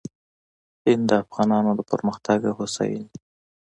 هند د افغانانو د پرمختګ او هوساینې